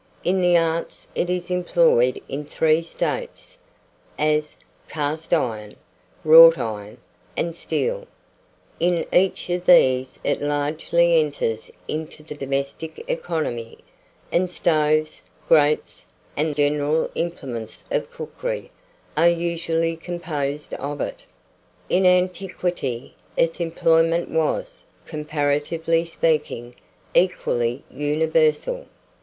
In the arts it is employed in three states, as cast iron, wrought iron, and steel. In each of these it largely enters into the domestic economy, and stoves, grates, and the general implements of cookery, are usually composed of it. In antiquity, its employment was, comparatively speaking, equally universal.